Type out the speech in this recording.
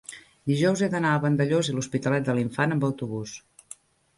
dijous he d'anar a Vandellòs i l'Hospitalet de l'Infant amb autobús.